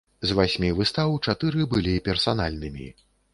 З васьмі выстаў чатыры былі персанальнымі.